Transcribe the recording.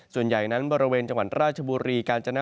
ส่วนใหญ่นั้นบริเวณจังหวัดราชบุรีกาญจน